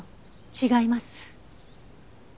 違います。